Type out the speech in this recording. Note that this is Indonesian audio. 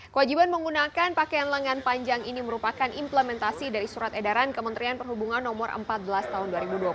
kewajiban menggunakan pakaian lengan panjang ini merupakan implementasi dari surat edaran kementerian perhubungan no empat belas tahun dua ribu dua puluh satu